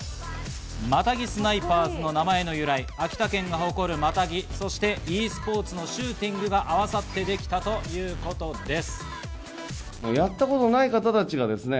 マタギスナイパーズの名前の由来、秋田県が誇るマタギとｅスポーツのシューティングが合わさってできたということです。